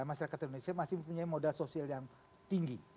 masyarakat indonesia masih mempunyai modal sosial yang tinggi